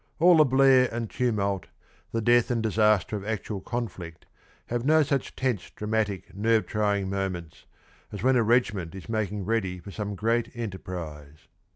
All the blare and tumult, the death and disaster of actual conflict have no such tense, dramatic, nerve trying moments as when a regiment is making ready for some great enterprise.